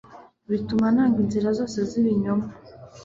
bituma nanga inzira zose z’ibinyoma